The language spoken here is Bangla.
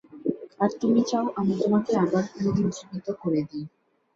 আর তুমি চাও আমি তোমাকে আবার পুনরুজ্জীবিত করে দেই।